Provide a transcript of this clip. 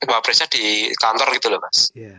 jawa presiden di kantor gitu loh mas